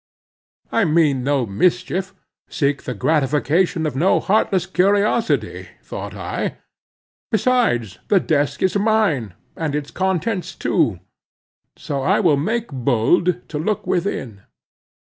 I mean no mischief, seek the gratification of no heartless curiosity, thought I; besides, the desk is mine, and its contents too, so I will make bold to look within.